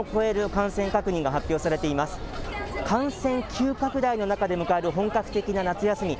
感染急拡大の中で迎える本格的な夏休み。